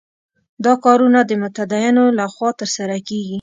دا کارونه د متدینو له خوا ترسره کېږي.